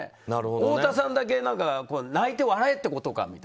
太田さんだけ泣いて、笑えみたいなことかって。